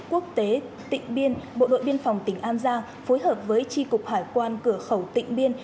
quốc tế tịnh biên bộ đội biên phòng tỉnh an giang phối hợp với tri cục hải quan cửa khẩu tịnh biên